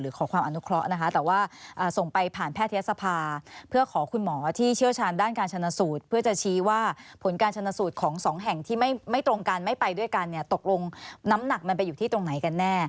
หรือขอความช่วยเหลือหรือขอความอนุเคราะห์นะคะ